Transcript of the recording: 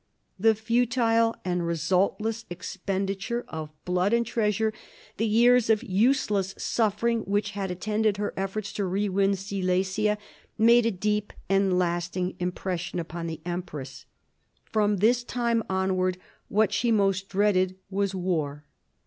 The futile and resultless expenditure of blood and treasure, the years of useless suffering which had attended her efforts to re win Silesia, made a deep and lasting impression upon the empress. From this time onward, what she most dreaded was war.